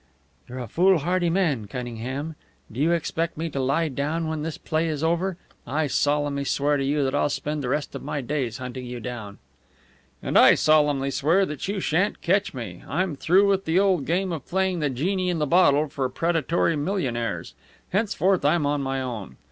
"You're a foolhardy man, Cunningham. Do you expect me to lie down when this play is over? I solemnly swear to you that I'll spend the rest of my days hunting you down." "And I solemnly swear that you shan't catch me. I'm through with the old game of playing the genie in the bottle for predatory millionaires. Henceforth I'm on my own.